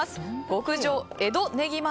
極上江戸ねぎま